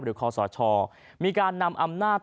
คอสชมีการนำอำนาจ